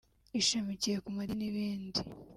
ishamikiye ku madini n’ibindi